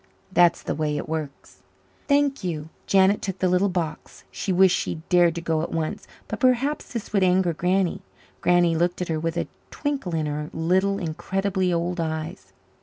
That's the way it works." "Thank you." Janet took the little box. She wished she dared to go at once. But perhaps this would anger Granny. Granny looked at her with a twinkle in her little, incredibly old eyes.